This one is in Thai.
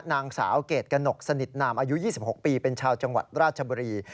นางสาวเกรดกระหนกสนิทนามอายุ๒๖ปีเป็นชาวจังหวัดราชบุรี